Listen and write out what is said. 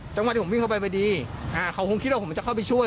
จังหวะที่ผมวิ่งเข้าไปพอดีเขาคงคิดว่าผมจะเข้าไปช่วย